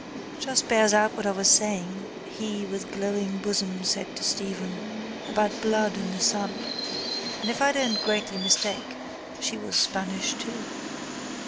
—Just bears out what I was saying, he, with glowing bosom said to Stephen, about blood and the sun. And, if I don't greatly mistake she was Spanish too.